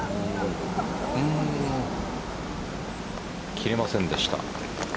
切れませんでした。